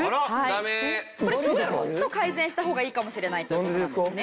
これちょっと改善した方がいいかもしれないという事なんですね。